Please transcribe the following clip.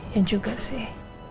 ya juga sih